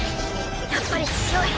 やっぱり強い。